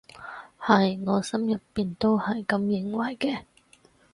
係，我心入面都係噉認為嘅